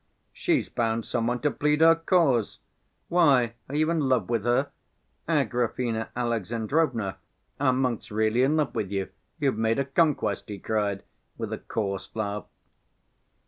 "She's found some one to plead her cause! Why, are you in love with her? Agrafena Alexandrovna, our monk's really in love with you, you've made a conquest!" he cried, with a coarse laugh.